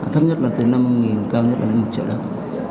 thấp nhất là từ năm cao nhất là đến một triệu đồng